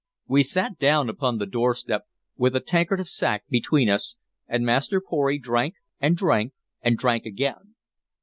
We sat us down upon the doorstep with a tankard of sack between us, and Master Pory drank, and drank, and drank again.